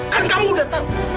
kan kamu sudah tahu